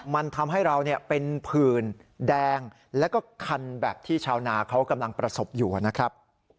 มันทำให้เราเป็นผื่นแดงแล้วก็คันแบบที่ชาวนาเขากำลังประสบอยู่นะครับ